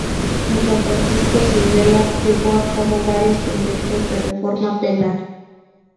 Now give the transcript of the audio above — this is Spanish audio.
Junto a Francisco Silvela llevó a cabo varios proyectos de reforma penal.